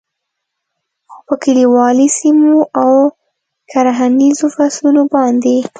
خو په کلیوالي سیمو او کرهنیزو فصلونو باندې